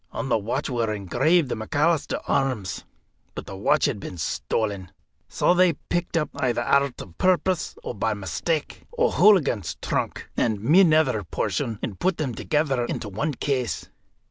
On the watch were engraved the McAlister arms. But the watch had been stolen. So they picked up either out of purpose, or by mistake O'Hooligan's trunk, and my nether portion, and put them together into one case.